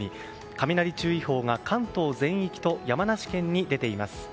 雷注意報が関東全域と山梨県に出ています。